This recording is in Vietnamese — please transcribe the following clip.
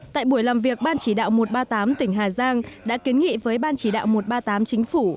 tại buổi làm việc ban chỉ đạo một trăm ba mươi tám tỉnh hà giang đã kiến nghị với ban chỉ đạo một trăm ba mươi tám chính phủ